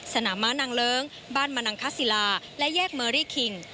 สนามม้านางเลิ้งบ้านมนังคศิลาและแยกเมอรี่คิง